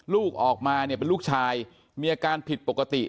ลูกออกมาเนี่ยเป็นลูกชายมีอาการผิดปกติ